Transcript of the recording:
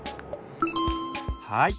はい。